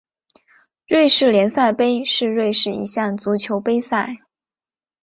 瑞士联赛杯是瑞士一项足球杯赛。